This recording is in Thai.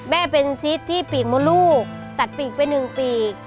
แม่เป็นซิสที่ปีกมดลูกตัดปีกไปหนึ่งปีก